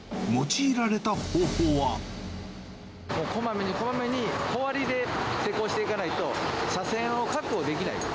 こまめに、こまめに、小割りで施工していかないと、車線を確保できない。